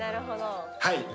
はい。